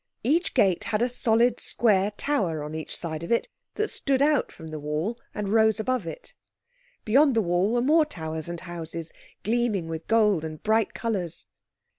Each gate had a solid square tower on each side of it that stood out from the wall and rose above it. Beyond the wall were more towers and houses, gleaming with gold and bright colours.